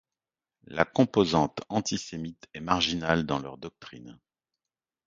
La composante antisémite est marginale dans leur doctrine.